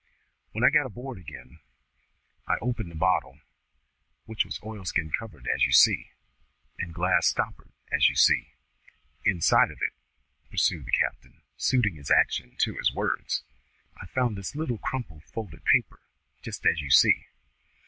When I got aboard again I opened the bottle, which was oilskin covered as you see, and glass stoppered as you see. Inside of it," pursued the captain, suiting his action to his words, "I found this little crumpled, folded paper, just as you see.